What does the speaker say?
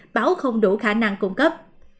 báo không đủ khả năng cung cấp